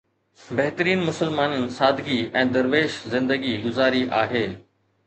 بهترين مسلمانن سادگي ۽ درويش زندگي گذاري آهي